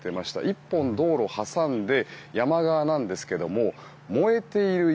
１本道路を挟んで山側なんですけども燃えている家